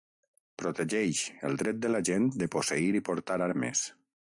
Protegeix el dret de la gent de posseir i portar armes.